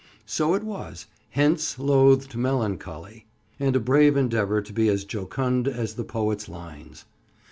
So it was "Hence, loathed Melancholy!" and a brave endeavor to be as jocund as the poet's lines!